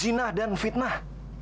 zinah dan fitnah